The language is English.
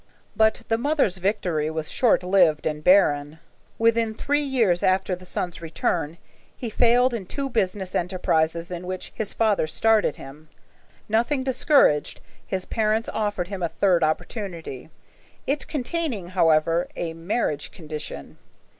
But the mother's victory was short lived and barren. Within three years after the son's return, he failed in two business enterprises in which his father started him. Nothing discouraged, his parents offered him a third opportunity, it containing, however, a marriage condition.